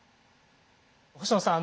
星野さん